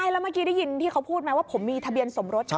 แล้วเมื่อกี้ได้ยินที่เขาพูดไหมว่าผมมีทะเบียนสมรสใช่ไหม